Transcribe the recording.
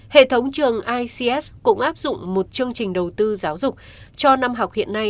hệ thống trường ics cũng áp dụng một chương trình đầu tư giáo dục cho năm học hiện nay hai nghìn hai mươi ba hai nghìn hai mươi bốn